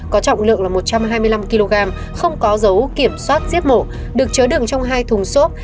có trọng lượng là một trăm hai mươi năm kg không có dấu kiểm soát giết mổ được chứa đựng trong hai thùng xốp